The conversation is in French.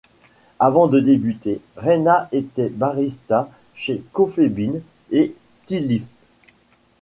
Avant de débuter, Raina était barista chez Coffee Bean & Tea Leaf.